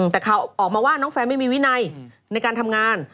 แต่ข่าวออกมาว่าน้องแฟนไม่มีวินัยในการทำงาน